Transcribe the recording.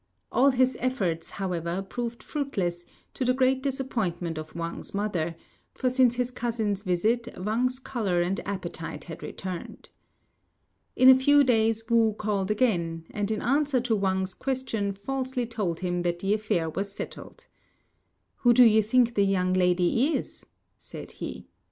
All his efforts, however, proved fruitless, to the great disappointment of Wang's mother; for since his cousin's visit Wang's colour and appetite had returned. In a few days Wu called again, and in answer to Wang's questions falsely told him that the affair was settled. "Who do you think the young lady is?" said he.